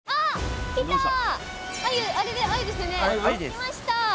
来ました。